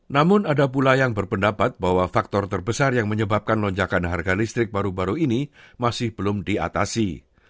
namun ada pula yang berpendapat bahwa faktor terbesar yang menyebabkan lonjakan harga listrik baru baru ini masih belum diatasi